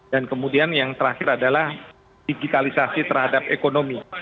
dan kemudian yang terakhir adalah digitalisasi terhadap ekonomi